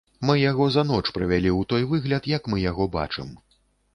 Мы яго за ноч прывялі ў той выгляд, як мы яго бачым.